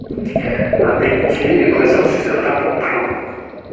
Un bénitier est présent sous un tympan plein.